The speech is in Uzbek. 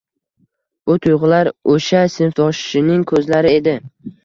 Bu tuyg‘ular o‘sha sinfdoshining ko‘zlari edi.